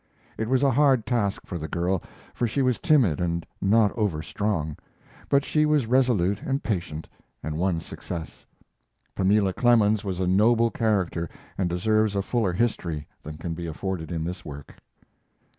It was a hard task for the girl, for she was timid and not over strong; but she was resolute and patient, and won success. Pamela Clemens was a noble character and deserves a fuller history than can be afforded in this work.